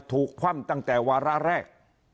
คว่ำตั้งแต่วาระแรก